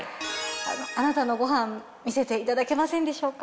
あなたのご飯見せていただけませんでしょうか。